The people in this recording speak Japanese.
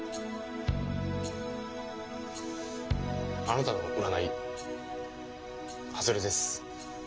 あなたの占い外れです。